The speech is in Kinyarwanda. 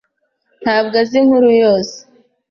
ntabwo azi inkuru yose.